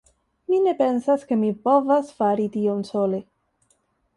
Mi ne pensas ke mi povas fari tion sole.